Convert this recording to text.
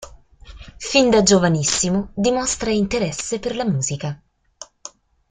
Fin da giovanissimo dimostra interesse per la musica.